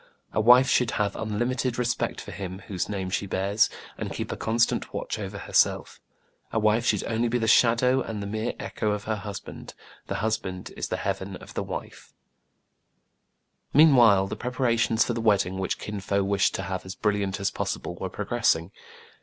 " A wife should have unlimited respect for him whose name she bears, and keep a constant watch over herself. l68 TRIBULATIONS OF A CHINAMAN. " A wife should only be the shadow and the mere echo of her husband. " The husband is the heaven of the wife." Meanwhile the preparations for the wedding, which Kin Fo wished to have as brilliant as pos sible, were progressing.